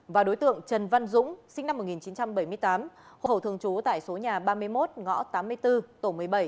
và đối tượng trần văn dũng sinh năm một nghìn chín trăm bảy mươi tám hộ khẩu thường trú tại số nhà ba mươi một ngõ tám mươi bốn tổ một mươi bảy